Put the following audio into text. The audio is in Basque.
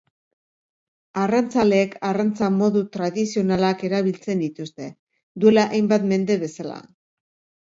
Arrantzaleek arrantza modu tradizionalak erabiltzen dituzte, duela hainbat mende bezala.